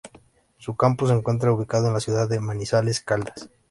Su campus se encuentra ubicado en la ciudad de Manizales, Caldas.